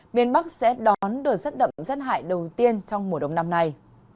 biên bắc sẽ đón đợt sát đậm sát hại đầu tiên trong mùa đông năm này